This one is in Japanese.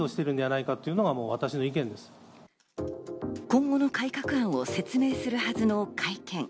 今後の改革案を説明するはずの会見。